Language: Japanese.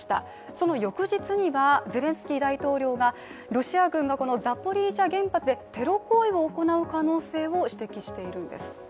その翌日にはゼレンスキー大統領がロシア軍がザポリージャ原発でテロ行為を行う可能性をしてきしているんです